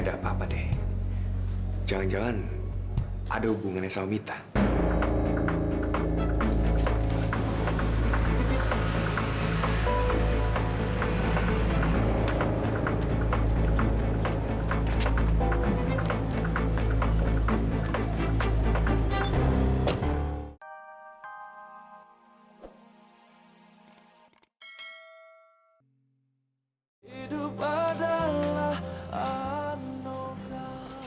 sampai jumpa di video selanjutnya